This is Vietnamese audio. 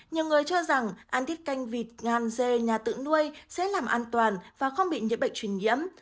nhiều người cho rằng ăn thiết canh vịt ngàn dê nhà tự nuôi sẽ làm an toàn và không bị nhiễm bệnh truyền nhiễm